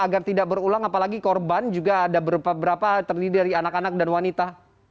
agar tidak berulang apalagi korban juga ada beberapa terdiri dari anak anak dan wanita